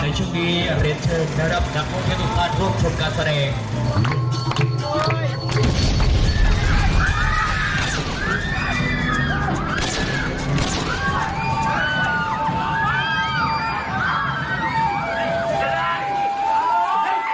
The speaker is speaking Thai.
ในช่วงนี้เรนเชิงได้รับนักโฆษณ์ให้ทุกคนร่วมชมการแสดง